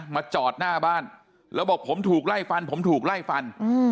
จอดหน้าบ้านแล้วบอกผมถูกไล่ฟันผมถูกไล่ฟัน